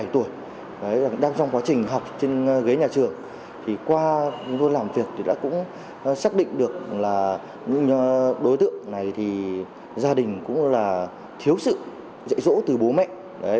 thì qua làm việc thì đã cũng xác định được là những đối tượng này thì gia đình cũng là thiếu sự dạy dỗ từ bố mẹ